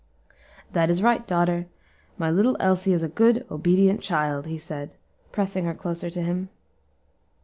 "That is right, daughter; my little Elsie is a good, obedient child," he said, pressing her closer to him.